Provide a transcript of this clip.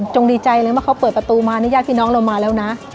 งดีใจเลยเมื่อเขาเปิดประตูมานี่ญาติพี่น้องเรามาแล้วนะ